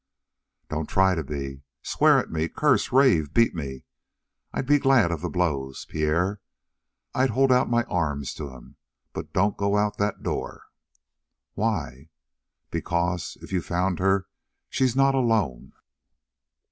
"Don't try to be! Swear at me curse rave beat me; I'd be glad of the blows, Pierre. I'd hold out my arms to 'em. But don't go out that door!" "Why?" "Because if you found her she's not alone."